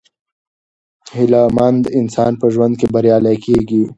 هیله مند انسان په ژوند کې بریالی کیږي.